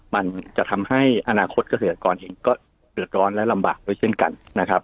มันจะทำให้อนาคตเกษตรกรเองก็เดือดร้อนและลำบากด้วยเช่นกันนะครับ